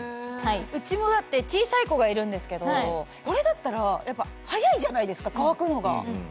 うちもだって小さい子がいるんですけどこれだったらやっぱ早いじゃないですか乾くのが。